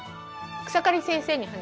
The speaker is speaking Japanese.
草刈先生に話す？